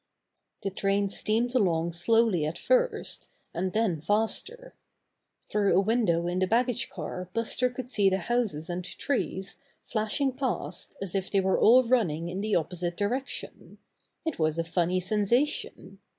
The train steamed along slowly at first, and then faster. Through a window in the bag gage car Buster could see the houses and trees flashing past as if they were all running in the opposite direction. It was a funny sensation.